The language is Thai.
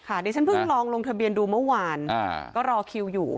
เดี๋ยวฉันเพิ่งลองลงทะเบียนดูเมื่อวานก็รอคิวอยู่